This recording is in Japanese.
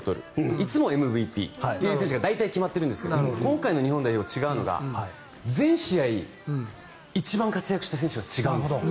いつもＭＶＰという選手が大体決まっているんですけど今回の日本代表は違うのが全試合一番活躍した選手が違うんです。